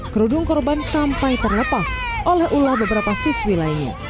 kerudung korban sampai terlepas oleh ulah beberapa siswi lainnya